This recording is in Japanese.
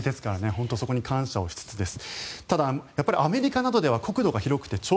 本当、そこに感謝をしつつです。